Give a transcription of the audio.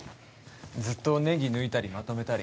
ずっとねぎ抜いたりまとめたり。